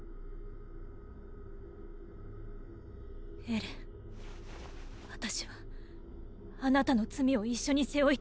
エレン私はあなたの罪を一緒に背負いたい。